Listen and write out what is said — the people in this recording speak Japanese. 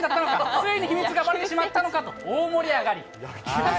ついに秘密がばれてしまったのかと大盛り上がり。